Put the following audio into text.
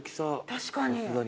確かに。